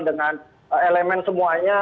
dengan elemen semuanya